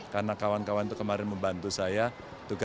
kanan kawan kawan berkembang di bupati saya